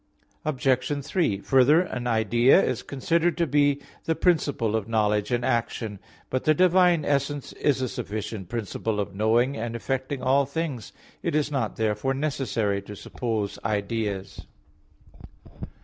Obj. 3: Further, an idea is considered to be the principle of knowledge and action. But the divine essence is a sufficient principle of knowing and effecting all things. It is not therefore necessary to suppose ideas.